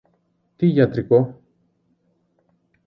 Τι γιατρικό;